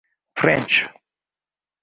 French